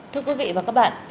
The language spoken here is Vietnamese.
thưa quý vị và các bạn